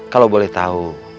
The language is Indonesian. kalau boleh tahu